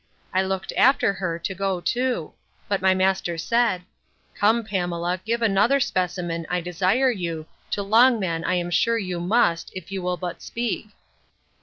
I looked after her to go too; but my master said, Come, Pamela, give another specimen, I desire you, to Longman I am sure you must, if you will but speak.